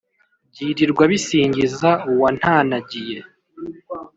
byirirwa bisingiza uwantanagiye!